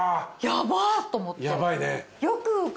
ヤバいね。